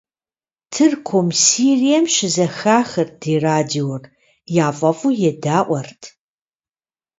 Тыркум, Сирием щызэхахырт ди радиор, яфӀэфӀу едаӀуэрт.